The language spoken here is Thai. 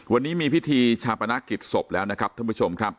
วันนี้มีพิธีชาปนกิจศพแล้วนะครับท่านผู้ชมครับ